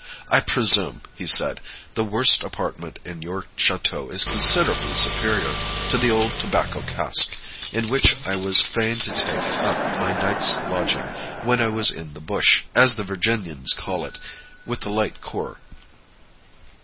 "I presume," he said, "the worst apartment in your château is considerably superior to the old tobacco cask, in which I was fain to take up my night's lodging when I was in the Bush, as the Virginians call it, with the light corps.